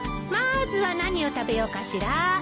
まずは何を食べようかしら。